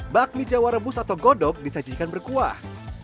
bakmi jawa rebus atau godok disajikan berkuah